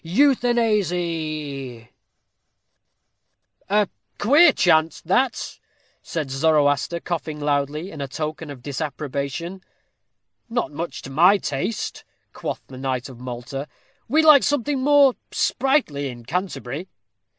Euthanasy!_ "A queer chant that," said Zoroaster, coughing loudly, in token of disapprobation. "Not much to my taste," quoth the knight of Malta. "We like something more sprightly in Canterbury."